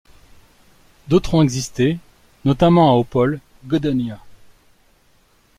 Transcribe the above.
D'autres ont existé, notamment à Opole, Gdynia.